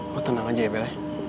lo tenang aja ya bill